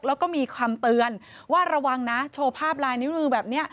แล้วก็มีคำเตือนว่าระวังนะโชว์ภาพลายนิ้วมือแบบนี้